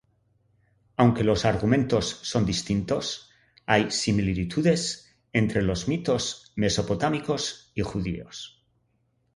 Aunque los argumentos son distintos, hay similitudes entre los mitos mesopotámicos y judíos.